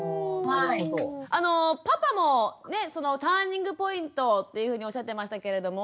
パパもターニングポイントっていうふうにおっしゃってましたけれども。